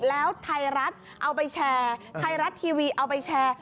แล้วไทยรัฐเอาไปแชร์ไทยรัฐทีวีเอาไปแชร์